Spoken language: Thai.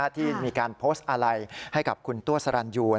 ที่มีการโพสต์อะไรให้กับคุณตัวสรรยู